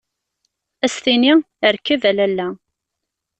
Ad as-tini: Rkeb a Lalla.